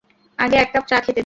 আগে এক কাপ চা খেতে দে।